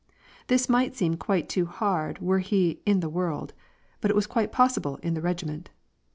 This might seem quite too hard were he in the world," but was quite possible in the regiment.